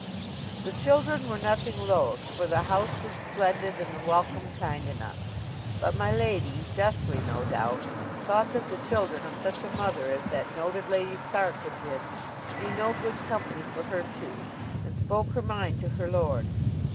The children were nothing loth, for the house was splendid, and the welcome kind enough. But my lady, justly no doubt, thought that the children of such a mother as that noted Lady Sark had been, could be no good company for her two; and spoke her mind to her lord.